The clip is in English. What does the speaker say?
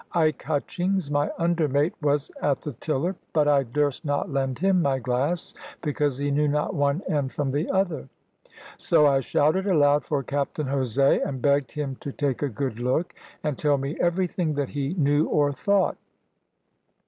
Ike Hutchings, my under mate, was at the tiller, but I durst not lend him my glass, because he knew not one end from the other; so I shouted aloud for Captain Jose, and begged him to take a good look, and tell me everything that he knew or thought.